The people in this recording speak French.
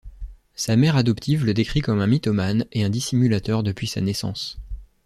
Sa mère adoptive le décrit comme un mythomane et un dissimulateur depuis sa naissance.